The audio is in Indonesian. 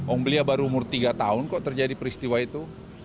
om beliau baru umur tiga tahun kok terjadi peristiwa itu